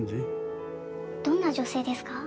どんな女性ですか？